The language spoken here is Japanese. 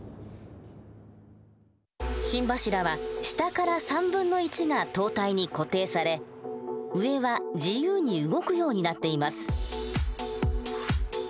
心柱は下から1/3が塔体に固定され上は自由に動くようになっています。